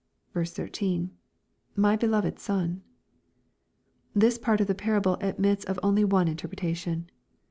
13. — [JIfy beloved Son.] This part of the parable admits of only one interpretation.